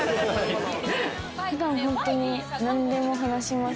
普段本当に何でも話します。